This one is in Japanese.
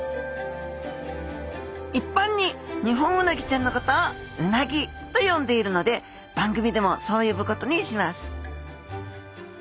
いっぱんにニホンウナギちゃんのことを「うなぎ」と呼んでいるので番組でもそう呼ぶことにします